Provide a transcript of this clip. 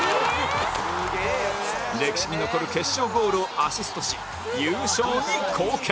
歴史に残る決勝ゴールをアシストし優勝に貢献！